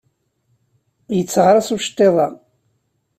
Yetteɣraṣ uceṭṭiḍ-a.